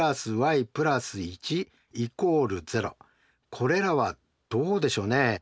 これらはどうでしょうね。